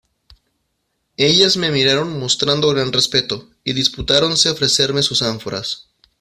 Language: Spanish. ellas me miraron mostrando gran respeto, y disputáronse ofrecerme sus ánforas